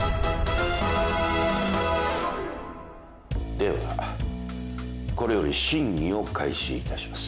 ではこれより審議を開始いたします。